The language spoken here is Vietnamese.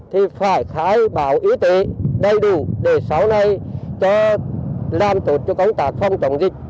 thì phải khai báo y tế đầy đủ để sau này làm tốt cho công tác